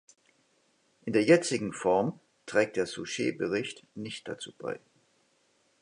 In der jetzigen Form trägt der Souchet-Bericht nicht dazu bei.